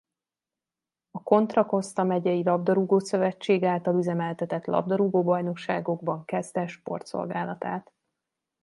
A Contra Costa megyei labdarúgó-szövetség által üzemeltetett labdarúgó bajnokságokban kezdte sportszolgálatát.